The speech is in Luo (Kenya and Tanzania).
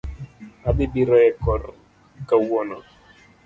Adhi biro e kor kawuono